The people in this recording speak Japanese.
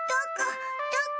どこ？